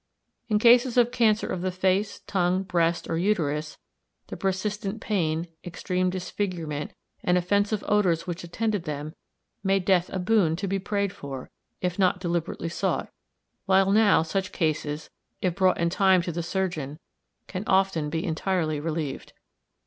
In cases of cancer of the face, tongue, breast, or uterus, the persistent pain, extreme disfigurement, and offensive odors which attended them made death a boon to be prayed for, if not deliberately sought, while now such cases, if brought in time to the surgeon, can often be entirely relieved.